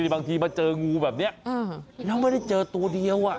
บางทีมาเจองูแบบนี้แล้วไม่ได้เจอตัวเดียว